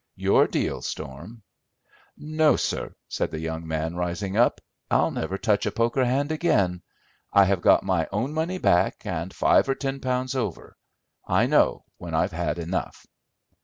"Your deal, Storm." "No, sir," said the young man, rising up; "I'll never touch a poker hand again. I have got my own money back and five or ten pounds over. I know when I've had enough."